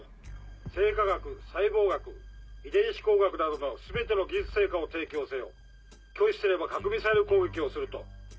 「生化学細胞学遺伝子工学などの全ての技術成果を提供せよ拒否すれば核ミサイル攻撃をする」と。